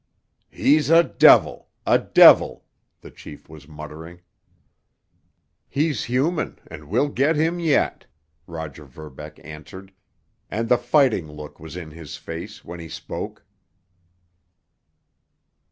"He's a devil—a devil!" the chief was muttering. "He's human—and we'll get him yet!" Roger Verbeck answered, and the fighting look was in his face when he spoke.